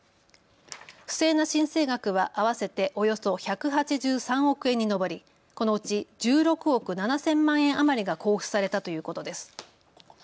不正な申請額は合わせておよそ１８３億円に上り、このうち１６億７０００万円余りが交付されたということです。